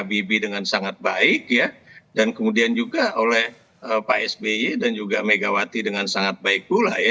habibie dengan sangat baik ya dan kemudian juga oleh pak sby dan juga megawati dengan sangat baik pula ya